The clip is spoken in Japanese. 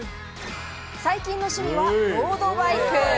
最近の趣味はロードバイク。